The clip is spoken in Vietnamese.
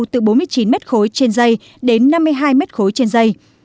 từ bốn mươi chín m ba trên dây đến năm mươi hai m ba trên dây